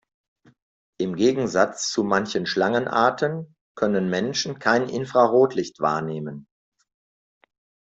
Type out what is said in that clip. Im Gegensatz zu manchen Schlangenarten können Menschen kein Infrarotlicht wahrnehmen.